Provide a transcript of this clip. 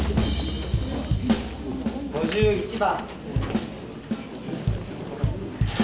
・５１番。